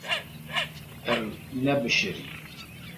Ew nebişirî.